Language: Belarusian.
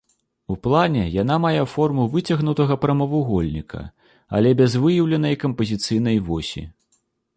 У плане яна мае форму выцягнутага прамавугольніка, але без выяўленай кампазіцыйнай восі.